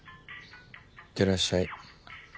行ってらっしゃい。